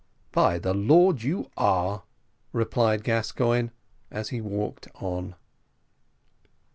"By the Lord! you are," replied Gascoigne, as he walked on.